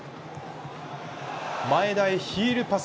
前田へヒールパス。